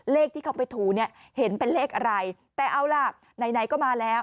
เลขที่เขาไปถูเนี่ยเห็นเป็นเลขอะไรแต่เอาล่ะไหนก็มาแล้ว